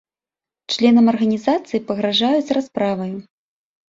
Членам арганізацыі пагражаюць расправаю.